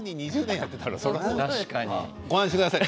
ご安心ください。